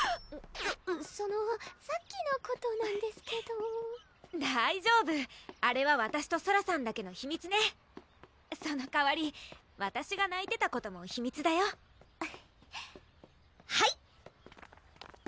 そそのさっきのことなんですけど大丈夫あれはわたしとソラさんだけの秘密ねその代わりわたしがないてたことも秘密だよはい！